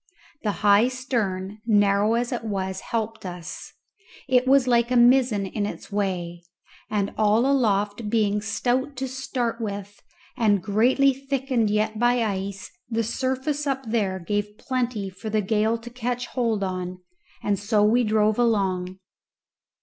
The high stern, narrow as it was, helped us; it was like a mizzen in its way; and all aloft being stout to start with and greatly thickened yet by ice, the surface up there gave plenty for the gale to catch hold on; and so we drove along.